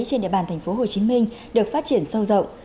trên địa bàn tp hcm được phát triển sâu rộng